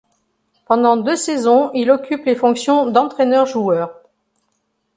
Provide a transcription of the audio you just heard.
Pendant deux saisons il occupe les fonctions d'entraîneur-joueur.